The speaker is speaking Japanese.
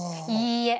いいえ。